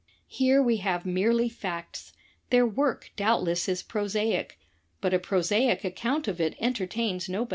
Here we have merely facts. Their work doubtless is pro saic, but a prosaic account of it entertains nobody.